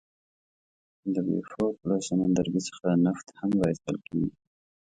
د بیوفورت له سمندرګي څخه نفت هم را ایستل کیږي.